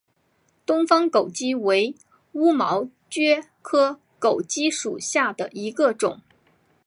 东方狗脊为乌毛蕨科狗脊属下的一个种。